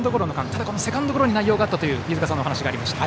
ただ、セカンドゴロに内容があったという飯塚さんのお話がありました。